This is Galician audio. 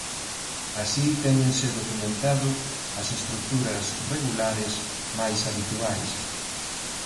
Así téñense documentado as estruturas regulares máis habituais.